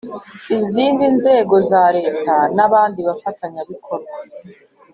Izindi Nzego Za Leta N Abandi Bafatanyabikorwa